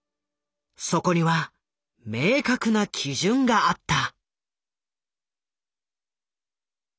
そこには明確な基準があった。